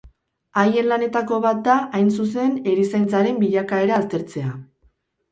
Haien lanetako bat da, hain zuzen, erizaintzaren bilakaera aztertzea.